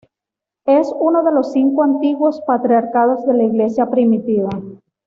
Es uno de los cinco antiguos patriarcados de la Iglesia primitiva.